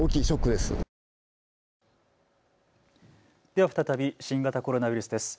では再び新型コロナウイルスです。